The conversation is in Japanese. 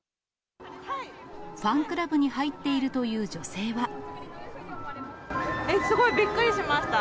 ファンクラブに入っているとすごいびっくりしました。